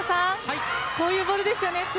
こういうボールですよね。